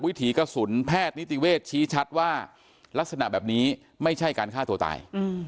วิถีกระสุนแพทย์นิติเวชชี้ชัดว่าลักษณะแบบนี้ไม่ใช่การฆ่าตัวตาย